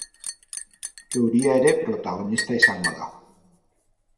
Euria ere protagonista izango da.